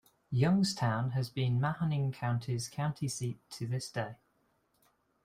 Youngstown has been Mahoning County's county seat to this day.